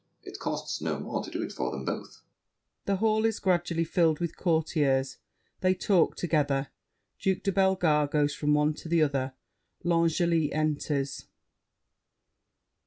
It costs no more to do it for them both. [The hall is gradually filled with Courtiers; they talk together. Duke de Bellegarde goes from one to the other. L'Angely enters.